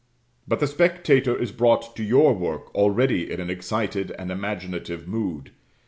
But the spectator is brought to your work already in an excited and imaginative mood.